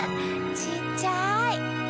ちっちゃい！